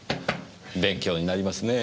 勉強になりますねぇ。